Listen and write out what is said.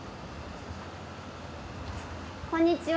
こんにちは。